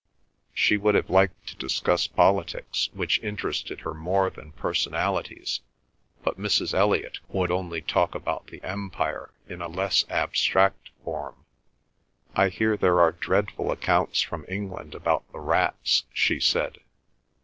She would have liked to discuss politics, which interested her more than personalities, but Mrs. Elliot would only talk about the Empire in a less abstract form. "I hear there are dreadful accounts from England about the rats," she said.